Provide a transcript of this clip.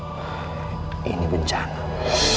kamu tetap dipercaya babi danim